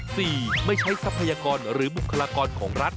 ไม่ใช้ทรัพยากรหรือบุคลากรของรัฐ